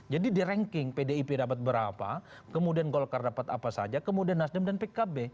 jadi di ranking pdip dapat berapa kemudian golkar dapat apa saja kemudian nasdem dan pkb